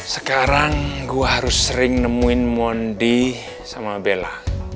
sekarang gue harus sering nemuin mondi sama bella